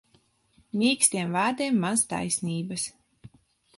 Mīkstiem vārdiem maz taisnības.